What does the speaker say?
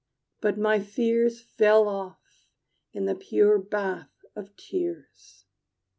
But my fears Fell off in the pure bath of tears.